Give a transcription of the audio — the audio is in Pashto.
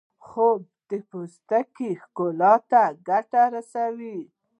خوب د پوستکي ښکلا ته ګټه رسوي